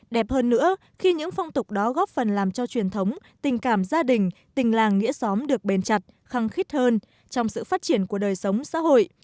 đẹp hơn nữa khi những phong tục đó góp phần làm cho truyền thống tình cảm gia đình tình làng nghĩa xóm được bền chặt khăng khít hơn trong sự phát triển của đời sống xã hội